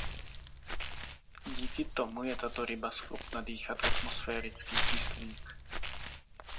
Díky tomu je tato ryba schopna dýchat atmosférický kyslík.